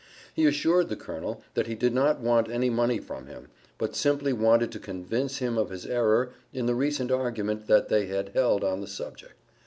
He assured the Colonel that he did not want any money from him, but simply wanted to convince him of his error in the recent argument that they had held on the subject.